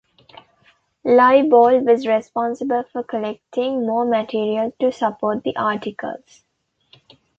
Liebold was responsible for collecting more material to support the articles.